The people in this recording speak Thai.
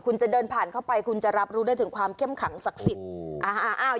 คุณจะเดินผ่านเข้าไปคุณจะรับรู้ได้ถึงความเข้มขังศักดิ์สิทธิ์